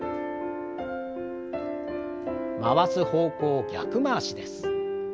回す方向を逆回しです。